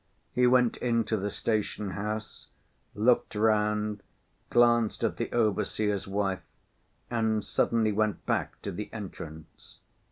He went into the station house, looked round, glanced at the overseer's wife, and suddenly went back to the entrance.